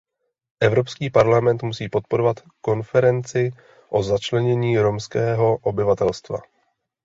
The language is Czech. Evropský parlament musí podporovat konferenci o začlenění romského obyvatelstva.